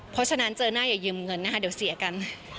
เพราะฉะนั้นเจอหน้าอย่ายืมเงินนะคะเดี๋ยวเสียกัน